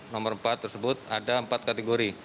nomor empat tersebut ada empat kategori